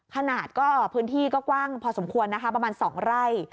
ขนาดก็พื้นที่ก็กว้างพอสมควรนะคะประมาณ๒ไร่